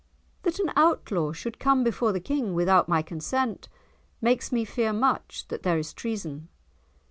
"That an Outlaw should come before the King without my consent makes me fear much that there is treason.